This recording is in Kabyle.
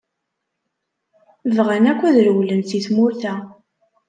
Bɣan akk ad rewlen si tmurt-a.